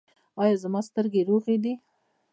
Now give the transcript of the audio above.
ایا زما سترګې روغې دي؟